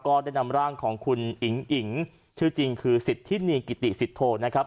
ก็ได้นำร่างของคุณอิ๋งอิ๋งชื่อจริงคือสิทธินีกิติสิทโทนะครับ